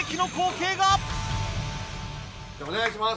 じゃお願いします。